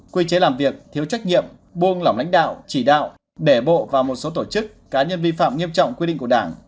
quy chế làm việc thiếu trách nhiệm buông lỏng lãnh đạo chỉ đạo để bộ và một số tổ chức cá nhân vi phạm nghiêm trọng quy định của đảng